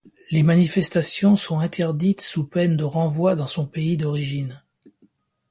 Les manifestations sont interdites, sous peine de renvoi dans son pays d'origine.